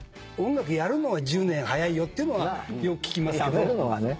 「音楽やるのは１０年早いよ」っていうのはよく聞きますけど。